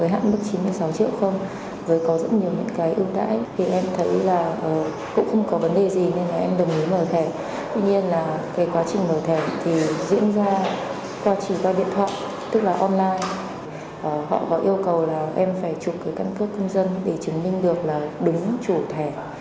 họ yêu cầu là em phải chụp cái căn cước cung dân để chứng minh được là đúng chủ thẻ